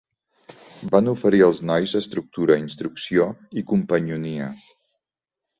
Van oferir als nois estructura, instrucció i companyonia.